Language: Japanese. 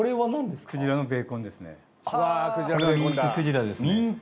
これミンククジラですね。